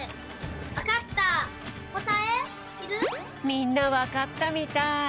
みんなわかったみたい。